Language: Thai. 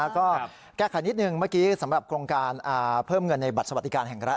ก็แก้ไขนิดหนึ่งเมื่อกี้สำหรับโครงการเพิ่มเงินในบัตรสวัสดิการแห่งรัฐ